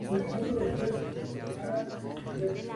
Actualmente corre para el equipo WorldTour Jumbo-Visma.